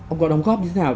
ông có đóng góp như thế nào